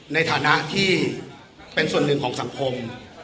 ในฐานะที่เป็นส่วนหนึ่งของสังคม